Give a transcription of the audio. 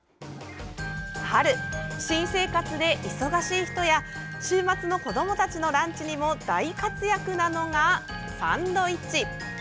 春、新生活で忙しい人や週末の子どもたちのランチにも大活躍なのが、サンドイッチ。